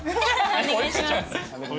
お願いします。